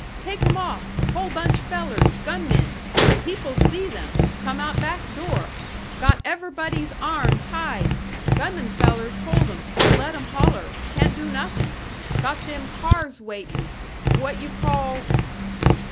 "Take 'em off! Whole bunch fellers gunmen! People see them come out back door. Got ever'body's arm tied. Gunmen fellers hold 'em, don't let 'em holler, can't do nothin'! Got them cars waitin' what you call?